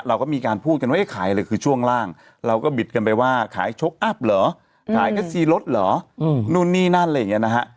เราก็มีการพูดกันว่าขายอะไรคือช่วงล่างเราก็บิดกันไปว่าขายชกอัพเหรอขายแค่ซีรถเหรอนู่นนี่นั่นอะไรอย่างนี้นะฮะ